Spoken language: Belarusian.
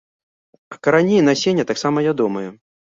Карані і насенне таксама ядомыя.